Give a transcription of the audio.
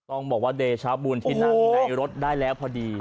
โอโห